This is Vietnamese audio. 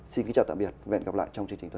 xin kính chào tạm biệt và hẹn gặp lại